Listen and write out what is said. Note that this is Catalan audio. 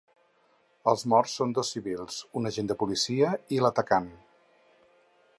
Els morts són dos civils, un agent de policia i l’atacant.